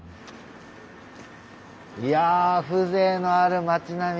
いや風情のある町並み。